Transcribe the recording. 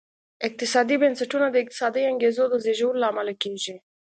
اقتصادي بنسټونه د اقتصادي انګېزو د زېږولو لامل کېږي.